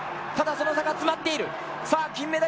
ただその差が詰まっている。